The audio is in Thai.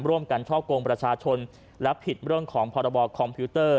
ร่วมกันช่อกงประชาชนและผิดเรื่องของพรบคอมพิวเตอร์